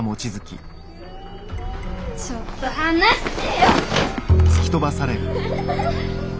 ちょっと離してよ！